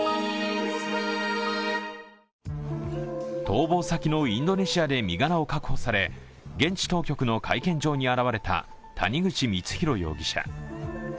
逃亡先のインドネシアで身柄を確保され現地当局の会見場に現れた谷口光弘容疑者。